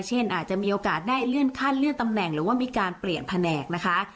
เช่นอาจจะมีโอกาสได้เลื่อนขั้นเลื่อนตำแหน่งหรือว่ามีการเปลี่ยนแผนกนะคะ